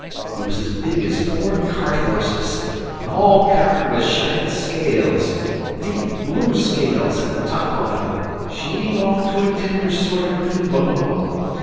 He was as big as four cart horses, and all covered with shiny scales deep blue scales at the top of him, shading off to a tender sort o' green below.